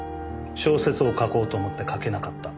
小説を書こうと思って書けなかった。